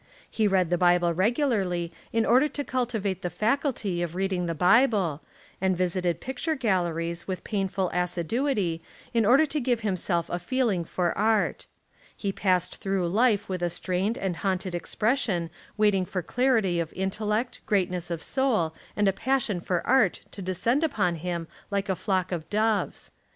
He read the Bible regularly in order to cultivate the faculty of reading the Bible, and visited picture galleries with painful assiduity in order to give himself a feeling for art. He passed through life with a strained and haunted expression waiting for clarity of intellect, greatness of soul, and a passion for art to descend upon him like a flock of doves.